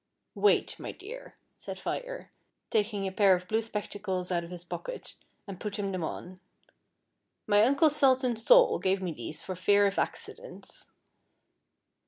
" Wait, my dear," said Fire, taking a pair of blue spectacles out of his pocket and putting them on ;" my uncle Sultan Sol gave me these for fear of accidents."